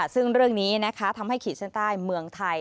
ซึ่งเรื่องนี้นะคะทำให้ขีดเส้นใต้เมืองไทย